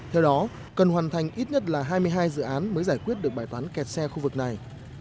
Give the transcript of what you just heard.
theo đó cần hoàn thành ít nhất là hai mươi hai dự án mới giải quyết được bài toán kẹt xe khu vực này